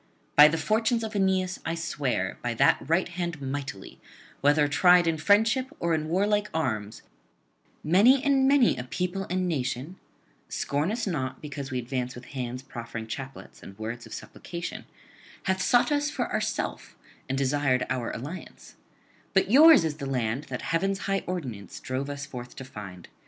By the fortunes of Aeneas I swear, by that right hand mighty, whether tried in friendship or in warlike arms, many and many a people and nation scorn us not because we advance with hands proffering chaplets and words of supplication hath sought us for itself and desired our alliance; but yours is the land that heaven's high ordinance drove us forth to find.